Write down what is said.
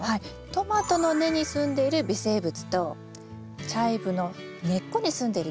トマトの根にすんでいる微生物とチャイブの根っこにすんでる微生物